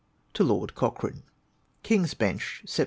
TO LORD COCHRANE. Kiug's Bench, Sept.